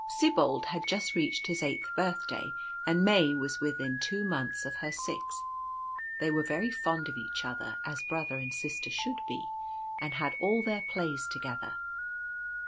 Sibold had just reached his eighth birthday, and May was within two months of her sixth. They were very fond of each other — as brother and sister should be — and had all their plays together.